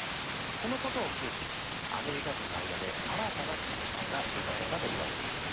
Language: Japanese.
このことを契機にアメリカ人の間で新たな価値観が生まれたといわれている。